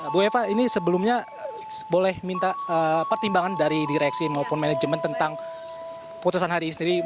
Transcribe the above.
bu eva ini sebelumnya boleh minta pertimbangan dari direksi maupun manajemen tentang putusan hari ini sendiri